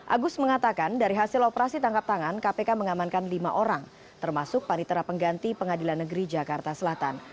agus mengatakan dari hasil operasi tangkap tangan kpk mengamankan lima orang termasuk panitera pengganti pengadilan negeri jakarta selatan